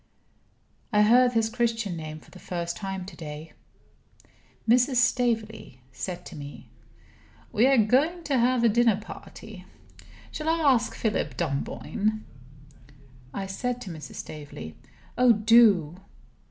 I heard his Christian name for the first time to day. Mrs. Staveley said to me: "We are going to have a dinner party. Shall I ask Philip Dunboyne?" I said to Mrs. Staveley: "Oh, do!"